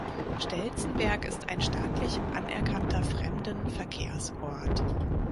Stelzenberg ist ein staatlich anerkannter Fremdenverkehrsort.